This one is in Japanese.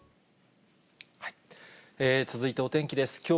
続いてお天気です。